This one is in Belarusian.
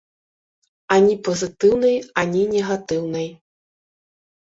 Ані пазітыўнай, ані негатыўнай.